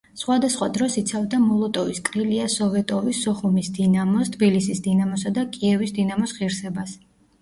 სხვადასხვა დროს იცავდა მოლოტოვის „კრილია სოვეტოვის“, სოხუმის „დინამოს“, თბილისის „დინამოსა“ და კიევის „დინამოს“ ღირსებას.